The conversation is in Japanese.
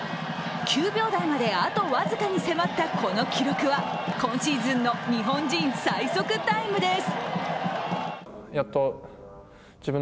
９秒台まであと僅かに迫ったこの記録は今シーズンの日本人最速タイムです。